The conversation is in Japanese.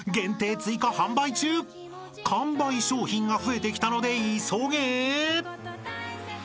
［完売商品が増えてきたので急げ！］